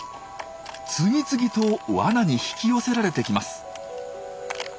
次々とワナに引き寄せられてきます。